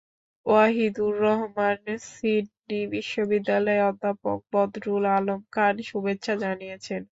Wahidur Rahman, Sydney বিশ্ববিদ্যালয়ের অধ্যাপক বদরুল আলম খান শুভেচ্ছা জানিয়েছেন।